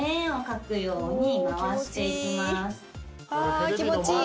ああ気持ちいい。